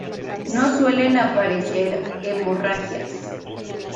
No suelen aparecer hemorragias.